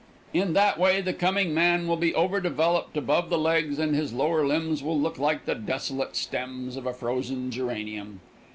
In that way the coming man will be over developed above the legs, and his lower limbs will look like the desolate stems of a frozen geranium.